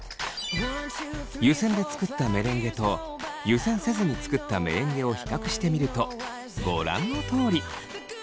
湯せんで作ったメレンゲと湯せんせずに作ったメレンゲを比較してみるとご覧のとおり。